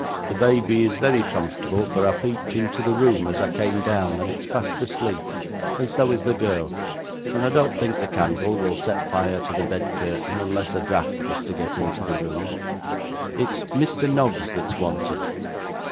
'The baby is very comfortable, for I peeped into the room as I came down, and it's fast asleep, and so is the girl; and I don't think the candle will set fire to the bed curtain, unless a draught was to get into the room it's Mr. Noggs that's wanted.